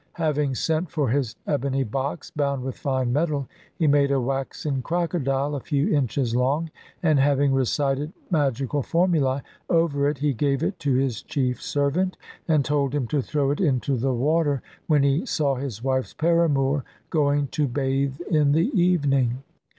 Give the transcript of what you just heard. Having sent for his ebony box bound with fine metal, he made a waxen crocodile a few inches long, and having recited ma gical formulae over it he gave it to his chief servant, and told him to throw it into the water when he saw his wife's paramour going to bathe in the evening.